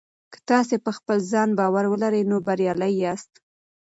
که تاسي په خپل ځان باور ولرئ نو بریالي یاست.